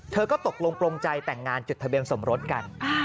เธอก็ตกลงปลงใจแต่งงานจดทะเบียนสมรสกัน